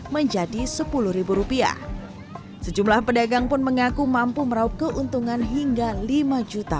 menjadi sepuluh rupiah sejumlah pedagang pun mengaku mampu meraup keuntungan hingga lima juta